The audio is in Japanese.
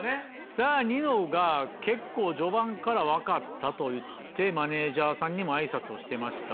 さぁニノが結構序盤から分かったと言ってマネジャーさんにも挨拶をしてました。